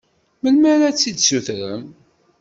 Melmi ara tt-id-sutrem?